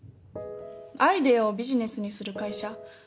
アイデアをビジネスにする会社。